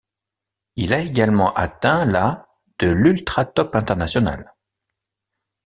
Il a également atteint la de l'Ultratop international.